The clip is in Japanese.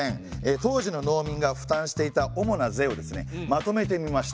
当時の農民が負担していた主な税をまとめてみました。